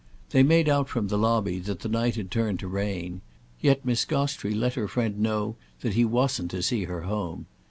They made out from the lobby that the night had turned to rain; yet Miss Gostrey let her friend know that he wasn't to see her home.